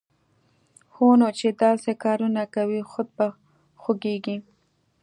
هونو چې داسې کارونه کوی، خود به خوږېږې